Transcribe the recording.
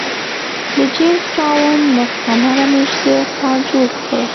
د جېمز ټاون مستعمره مېشتی ښار جوړ کړ.